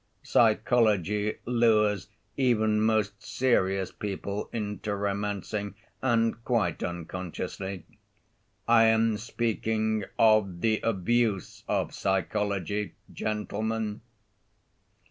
Psychology lures even most serious people into romancing, and quite unconsciously. I am speaking of the abuse of psychology, gentlemen."